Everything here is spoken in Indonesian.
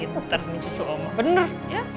tapi tetep mencucuk oma bener ya